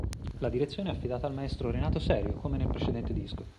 La direzione è affidata al maestro Renato Serio, come nel precedente disco.